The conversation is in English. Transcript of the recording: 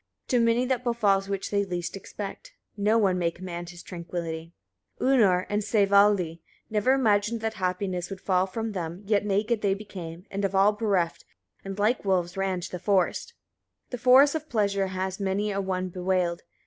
To many that befalls which they least expect. No one may command his tranquillity. 9. Unnar and Sævaldi never imagined that happiness would fall from them, yet naked they became, and of all bereft, and, like wolves, ran to the forest. 10. The force of pleasure has many a one bewailed.